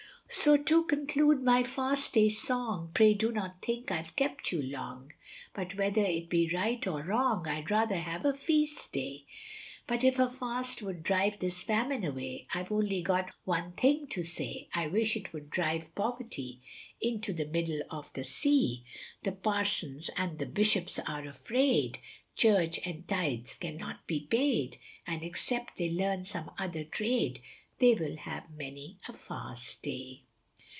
So to conclude my fast day song, Pray do not think I've kept you long, But whether it be right or wrong I'd rather have a feast day, But if a fast would drive this famine away, I've only got one thing to say, I wish it would drive poverty Into the middle of the sea, The Parsons and Bishops are afraid, Church and tithes cannot be paid, And except they learn some other trade They will have many a fast day.